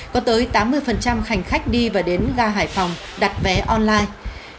có tới tám mươi hành khách đi và đến ga hải phòng đặt vé online